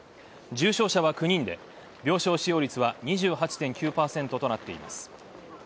重症者は９人で、病床使用率は２８．９％となっています。